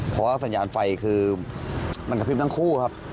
เพราะว่าสัญญาณไฟคือมันกระพริบทั้งคู่ครับ